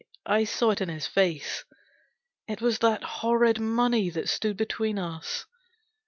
I saw it in his face. It was that horrid money that stood between us.